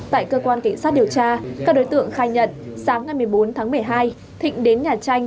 tại cơ quan cảnh sát điều tra các đối tượng khai nhận sáng ngày một mươi bốn tháng một mươi hai thịnh đến nhà tranh